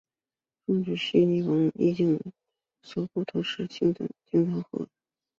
奉圣都虞候王景以所部投降石敬瑭。